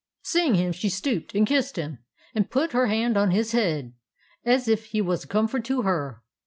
Seeing him, she stooped and kissed him, and put her hand on his head, as if he was a comfort to her.